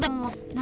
何？